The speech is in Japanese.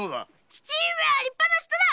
父上は立派な人だ！